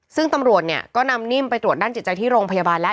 ซึ่งตำรวจเนี่ยก็นำนิ่มไปตรวจด้านจิตใจที่โรงพยาบาลแล้ว